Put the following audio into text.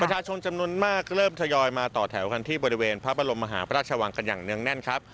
ชนจำนวนมากเริ่มทยอยมาต่อแถวกันที่บริเวณพระบรมมหาพระราชวังกันอย่างเนื่องแน่นครับ